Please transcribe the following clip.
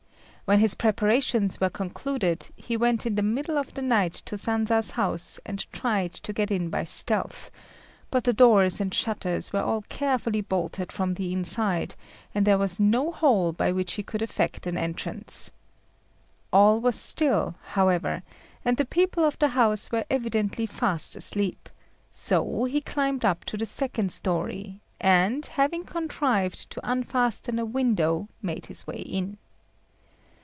When his preparations were concluded, he went in the middle of the night to Sanza's house and tried to get in by stealth; but the doors and shutters were all carefully bolted from the inside, and there was no hole by which he could effect an entrance. All was still, however, and the people of the house were evidently fast asleep; so he climbed up to the second storey, and, having contrived to unfasten a window, made his way in.